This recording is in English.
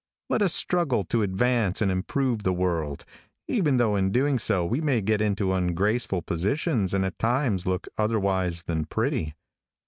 Let us struggle to advance and improve the world, even though in doing so we may get into ungraceful positions and at times look otherwise than pretty.